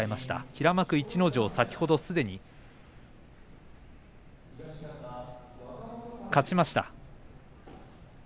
平幕の逸ノ城は先ほどすでに勝ちました。